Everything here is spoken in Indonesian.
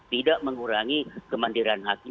tidak mengurangi kemandiran hakim